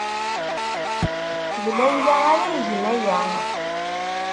D Layla ara igen aya.